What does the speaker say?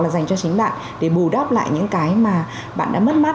dành cho chính bạn để bù đắp lại những cái mà bạn đã mất mát